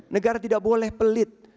negara tidak boleh pelit